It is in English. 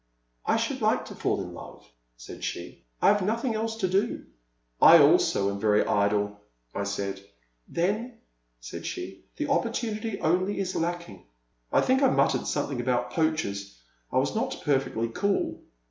I should like to fall in love, said she ;1 have nothing else to do." 98 The Silent Land. I also am very idle,*' I said. Tlien, said she, the opportunity only is lacking/' I think I muttered something about poachers — I was not perfectly cool.